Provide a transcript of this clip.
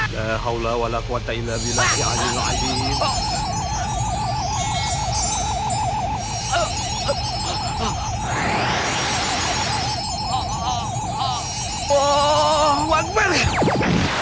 kamu harus bisa melepaskan diri dari iblis yang muasai jiwamu jono